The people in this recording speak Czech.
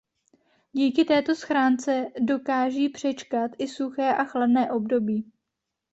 Díky této schránce dokáží přečkat i suché a chladné období.